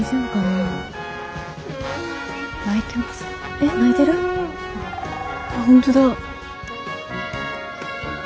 あっ本当だ。